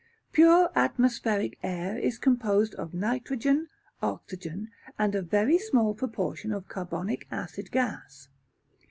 Pure atmospheric air is composed of nitrogen, oxygen, and a very small proportion of carbonic acid gas.